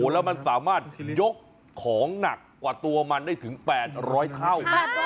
แล้วมันสามารถยกของหนักกว่าตัวมันได้ถึง๘๐๐เท่า